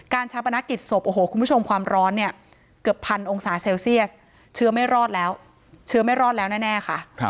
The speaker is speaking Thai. ชาปนกิจศพโอ้โหคุณผู้ชมความร้อนเนี่ยเกือบพันองศาเซลเซียสเชื้อไม่รอดแล้วเชื้อไม่รอดแล้วแน่ค่ะ